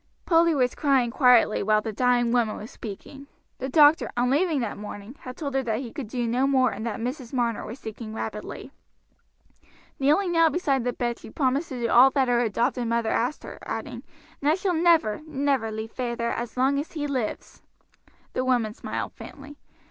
Polly was crying quietly while the dying woman was speaking. The doctor, on leaving that morning, had told her that he could do no more and that Mrs. Marner was sinking rapidly. Kneeling now beside the bed she promised to do all that her adopted mother asked her, adding, "and I shall never, never leave feyther as long as he lives." The woman smiled faintly.